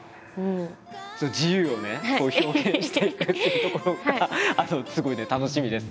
自由をね表現していくっていうところがすごいね楽しみです。